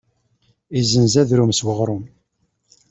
Izzenz adrum s uɣrum.